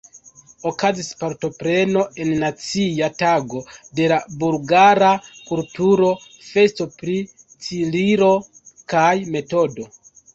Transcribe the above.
Okazis partopreno en nacia tago de la bulgara kulturo-festo pri Cirilo kaj Metodo.